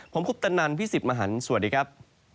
ผมคุกตันนันพี่สิบมหันสวัสดีครับ